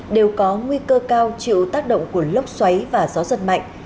đều có nguy cơ cao chịu tác động của lốc xoáy và gió giật mạnh